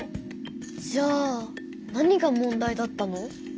じゃあ何が問題だったの？